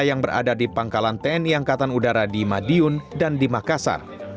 yang berada di pangkalan tni angkatan udara di madiun dan di makassar